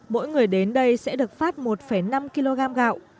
mỗi người đến đây sẽ được phát một năm kg gạo